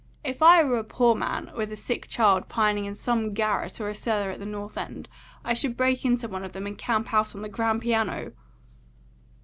If I were a poor man, with a sick child pining in some garret or cellar at the North End, I should break into one of them, and camp out on the grand piano."